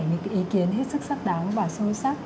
những cái ý kiến hết sức xác đáng và sâu sắc